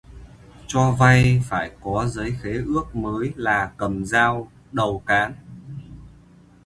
Cho vay phải có giấy khế ước mới là cầm dao đầu cán